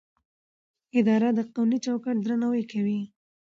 اداره د قانوني چوکاټ درناوی کوي.